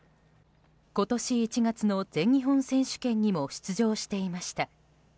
今年１月の全日本選手権にも出場していました。